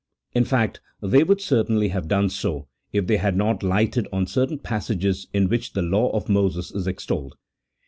In fact, they would actually have done so, if they had not lighted on certain passages in which the law of Moses is extolled.